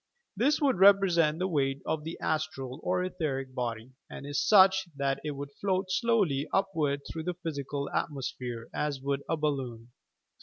This would repre sent the weight of the "astral" or etherie body, and is such that it would float slowly upward through the physical atmosphere, as would a balloon.